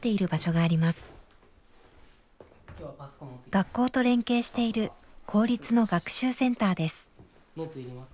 学校と連携している公立の学習センターです。